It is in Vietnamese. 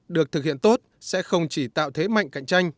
được thực hiện tốt sẽ không chỉ tạo thế mạnh cạnh tranh